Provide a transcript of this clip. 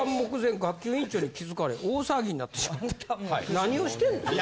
何をしてんの？